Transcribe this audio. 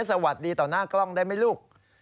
สวัสดีต่อหน้ากล้องได้ไหมลูก